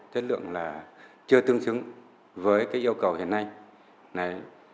chất lượng chưa tương xứng với yêu cầu hiện nay